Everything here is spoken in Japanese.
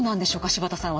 柴田さん